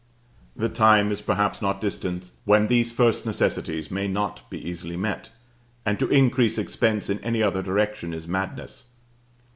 The time is perhaps not distant when these first necessities may not be easily met: and to increase expense in any other direction is madness.